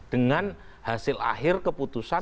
dengan hasil akhir keputusan